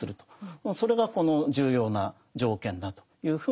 それがこの重要な条件だというふうに考えてるわけです。